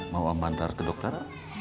mau om bantar ke dokter